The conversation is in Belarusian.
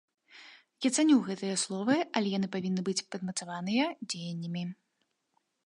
Я цаню гэтыя словы, але яны павінны быць падмацаваныя дзеяннямі.